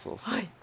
はい。